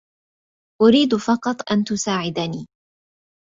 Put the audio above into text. أريد فقط أن تساعدني.